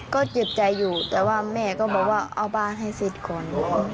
ก็เจ็บใจอยู่แต่ว่าแม่ก็บอกว่าเอาบ้านให้เสร็จก่อน